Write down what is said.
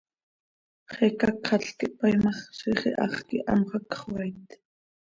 Xiica cxatlc quih tpaii ma x, ziix iháx quih anxö hacx xöaait.